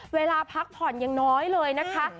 เวลาพักผ่อนยังน้อยเลยนะคะ